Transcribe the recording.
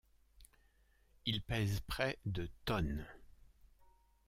Il pèse près de tonnes.